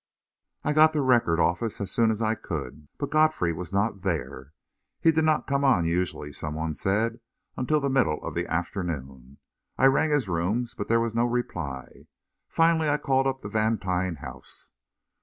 I got the Record office as soon as I could, but Godfrey was not there. He did not come on usually, some one said, until the middle of the afternoon. I rang his rooms, but there was no reply. Finally I called up the Vantine house.